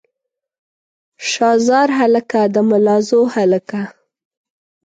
شاه زار هلکه د ملازو هلکه.